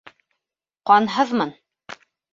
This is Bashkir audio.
- Ҡанһыҙмын.